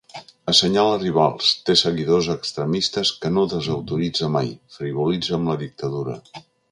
Assenyala rivals, té seguidors extremistes que no desautoritza mai, frivolitza amb la dictadura.